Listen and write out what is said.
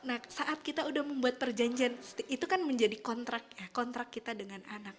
nah saat kita udah membuat perjanjian itu kan menjadi kontrak ya kontrak kita dengan anak